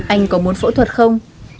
anh có muốn phẫu thuật không